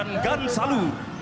dan melaksanakan gansalu